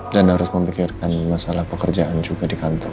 dan harus memikirkan masalah pekerjaan juga di kantor